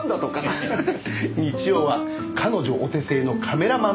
日曜は彼女お手製のカメラマン